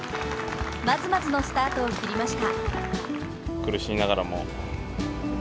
まずまずのスタートを切りました。